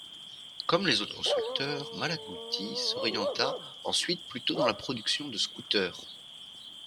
Comme les autres constructeurs, Malaguti s'orientera ensuite plutôt dans la production de scooters.